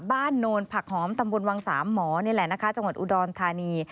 บ้านโนลผักหอมตำบลวังสามหมอจังหวัดอุดรธานี